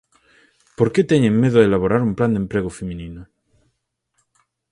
¿Por que teñen medo a elaborar un plan de emprego feminino?